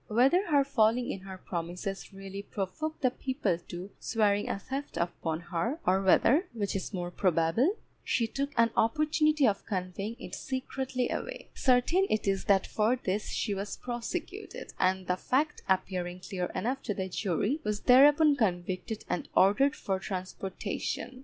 Whether her failing in her promises really provoked the people to swearing a theft upon her, or whether (which is more probable) she took an opportunity of conveying it secretly away, certain it is that for this she was prosecuted, and the fact appearing clear enough to the jury, was thereupon convicted and ordered for transportation.